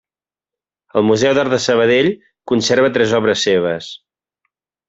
El Museu d'Art de Sabadell conserva tres obres seves.